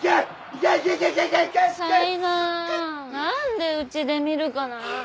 何でうちで見るかな。